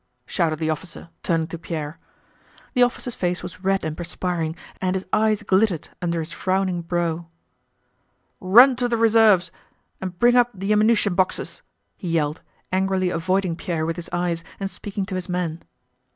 shouted the officer, turning to Pierre. The officer's face was red and perspiring and his eyes glittered under his frowning brow. "Run to the reserves and bring up the ammunition boxes!" he yelled, angrily avoiding Pierre with his eyes and speaking to his men.